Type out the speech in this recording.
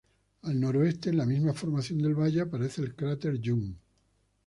Al noroeste, en la misma formación del valle, aparece el cráter Young.